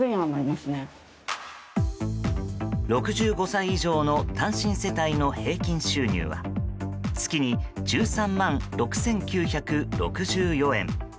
６５歳以上の単身世帯の平均収入は月に１３万６９６４円。